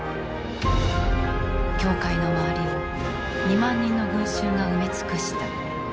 教会の周りを２万人の群衆が埋め尽くした。